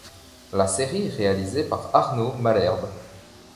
La série est réalisée par Arnaud Malherbe.